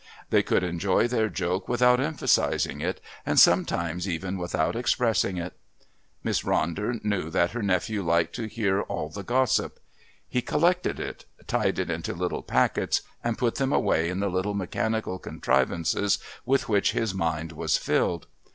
They could enjoy their joke without emphasising it and sometimes even without expressing it. Miss Ronder knew that her nephew liked to hear all the gossip. He collected it, tied it into little packets, and put them away in the little mechanical contrivances with which his mind was filled.